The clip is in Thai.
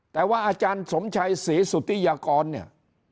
แต่ว่าอาจารย์สมชัยศรีสุธิยากรเนี่ย